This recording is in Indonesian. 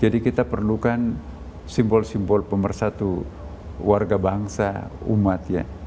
jadi kita perlukan simbol simbol pemersatu warga bangsa umat ya